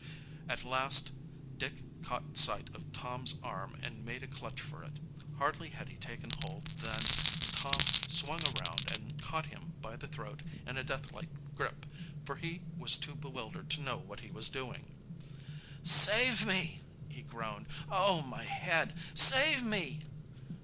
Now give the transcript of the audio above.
At last Dick caught sight of Tom's arm and made a clutch for it. Hardly had he taken hold than Tom swung around and caught him by the throat in a deathlike grip, for he was too bewildered to know what he was doing. "Save me!" he groaned. "Oh, my head! Save me!"